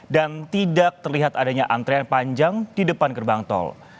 dan tidak terlihat adanya antrean panjang di depan gerbang tol